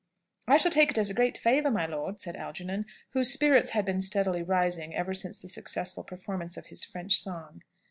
"I shall take it as a great favour, my lord," said Algernon, whose spirits had been steadily rising, ever since the successful performance of his French song.